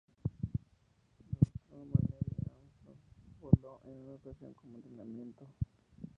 El astronauta Neil Armstrong voló en una ocasión como entrenamiento.